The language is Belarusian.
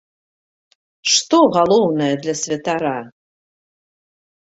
Што галоўнае для святара?